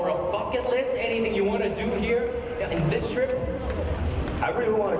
หรือรุ่นที่สงสารที่สงสารที่ตอนนี้